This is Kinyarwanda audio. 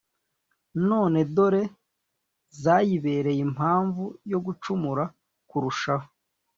none dore zayibereye impamvu yo gucumura kurushaho.